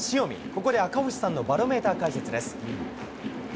ここで赤星さんのバロメーター解説です。